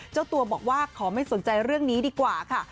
เจ้าตัวบอกว่าขอไม่สนใจเรื่องนี้ดีกว่าค่ะ